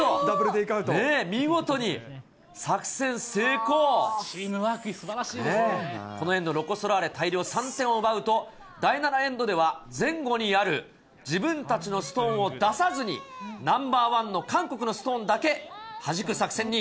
これ、チームワーク、すばらしいでこのエンド、ロコ・ソラーレ大量３点を奪うと、第７エンドでは前後にある自分たちのストーンを出さずに、ナンバー１の韓国のストーンだけはじく作戦に。